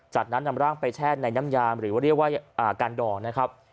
จากนั้นนำร่างไปแช่ในน้ำยามหรือว่าเรียกว่าการดองนะครับ